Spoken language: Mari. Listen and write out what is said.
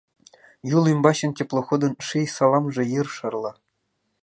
Юл ӱмбачын теплоходын Ший саламже йыр шарла.